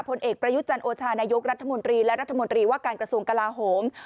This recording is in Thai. ผลเอกประยุจันทร์โอชานายกรัฐมนตรีและรัฐมนตรีว่าการกระทรวงกลาโหม